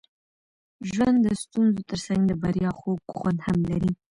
ژوند د ستونزو ترڅنګ د بریا خوږ خوند هم لري.